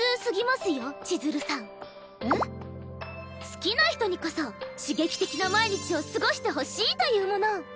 好きな人にこそ刺激的な毎日を過ごしてほしいというもの。